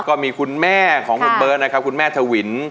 ก็มีคุณแม่ของคุณเบิร์ตนะครับคุณแม่ทวิน